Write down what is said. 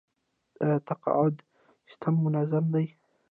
آیا تقاعد سیستم منظم دی؟